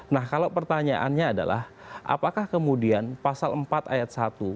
nah kalau pertanyaannya adalah apakah kemudian pasal empat ayat satu